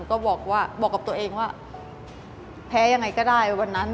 ก็บอกว่าบอกกับตัวเองว่าแพ้ยังไงก็ได้วันนั้น